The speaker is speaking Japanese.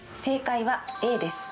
正解は、Ａです。